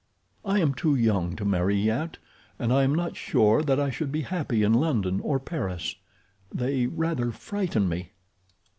I am too young to marry yet, and I am not sure that I should be happy in London or Paris—they rather frighten me."